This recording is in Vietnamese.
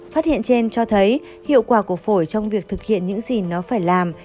phát hiện trên cho thấy hiệu quả của phổi trong việc thực hiện những gì nó phải làm